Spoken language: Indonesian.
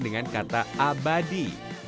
dengan kata abadi